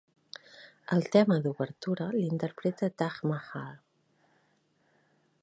El tema d'obertura l'interpreta Taj Mahal.